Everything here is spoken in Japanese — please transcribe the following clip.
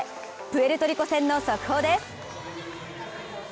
プエルトリコ戦の速報です。